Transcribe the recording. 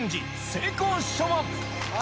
成功者は？